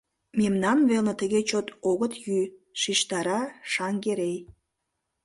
— Мемнан велне тыге чот огыт йӱ, — шижтара Шаҥгерей.